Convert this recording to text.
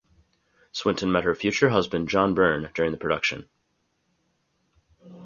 Swinton met her future husband John Byrne during the production.